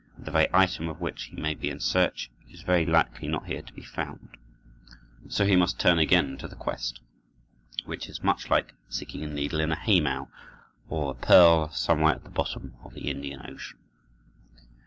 And the very item of which he may be in search is very likely not here to be found; so he must turn again to the quest, which is much like seeking a needle in a hay mow, or a pearl somewhere at the bottom of the Indian Ocean.